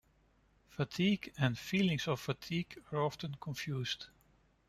Fatigue and 'feelings of fatigue' are often confused.